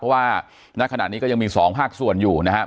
เพราะว่าณขณะนี้ก็ยังมี๒ภาคส่วนอยู่นะครับ